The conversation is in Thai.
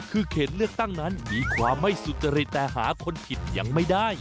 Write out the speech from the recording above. คือเขตเลือกตั้งนั้นมีความไม่สุจริตแต่หาคนผิดยังไม่ได้